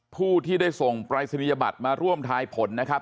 ผู้ที่ได้ส่งปรายศนียบัตรมาร่วมทายผลนะครับ